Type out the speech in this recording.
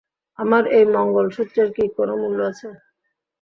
আমার এই মঙ্গলসূত্রের কী কোনও মূল্য আছে?